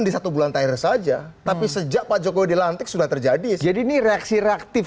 di satu bulan terakhir saja tapi sejak pak jokowi dilantik sudah terjadi jadi ini reaksi reaktif